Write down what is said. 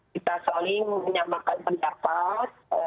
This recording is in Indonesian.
kita saling menyamakan pendapat